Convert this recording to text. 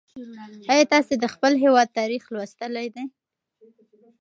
ایا تاسې د خپل هېواد تاریخ لوستلی دی؟